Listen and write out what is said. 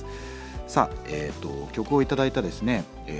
さあ曲を頂いたですね